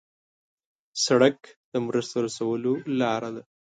سړک د مرستو رسولو لار ده.